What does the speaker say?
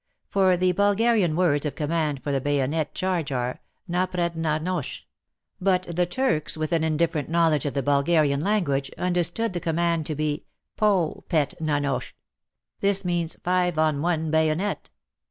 For the Bulgarian words of command for the bayonet charge are, " Na pred na nosch." But the Turks, with an indifferent knowledge of the Bulgarian language, understood the command to be, '' Po pet na nosch." This means, " Five on one bayonet